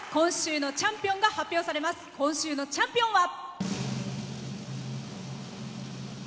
今週のチャンピオンは。